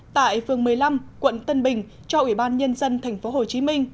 tại phường một mươi năm quận tân bình cho ủy ban nhân dân tp hcm